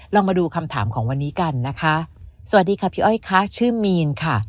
เรามาดูคำถามของวันนี้กันนะคะสวัสดีค่ะพี่อ้อยค่ะชื่อมีนค่ะ